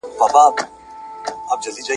د ارغند خاوري به مي رانجه وي `